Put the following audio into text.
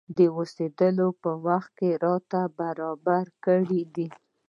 د اوسېدلو په وخت کې راته برابر کړي دي.